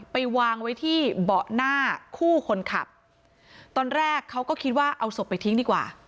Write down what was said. ไปวางไว้ที่เบาะหน้าคู่คนขับตอนแรกเขาก็คิดว่าเอาศพไปทิ้งดีกว่า